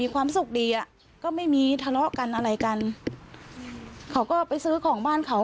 กับเพื่อนเขา